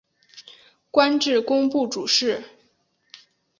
官至工部主事。